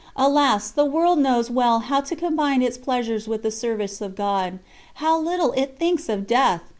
Alas! the world knows well how to combine its pleasures with the service of God. How little it thinks of death!